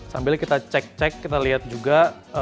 sambil kita cek cek kita lihat juga